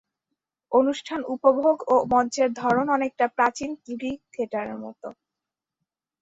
অনুষ্ঠান উপভোগ ও মঞ্চের ধরন অনেকটা প্রাচীন গ্রিক থিয়েটারের মতো।